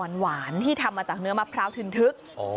มะพร้าวหวานที่ทำมาจากเนื้อมะพร้าวถื้นทึก